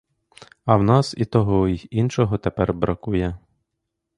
А в нас і того, й іншого тепер бракує.